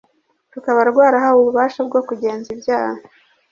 rukaba rwarahawe ububasha bwo kugenza ibyaha